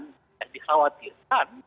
karena kemungkinan dan dikhawatirkan